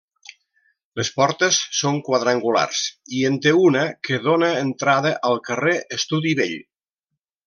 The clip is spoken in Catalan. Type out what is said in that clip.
Les portes són quadrangulars i en té una que dóna entrada al carrer Estudi Vell.